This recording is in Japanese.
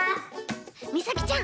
みさきちゃん